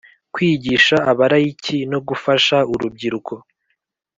Kwigisha abalayiki no gufasha urubyiruko